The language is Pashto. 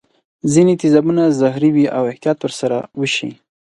ځیني تیزابونه زهري وي او احتیاط ور سره وشي.